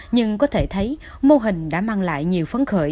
nhưng có thể thấy mô hình đã mang lại nhiều phấn khởi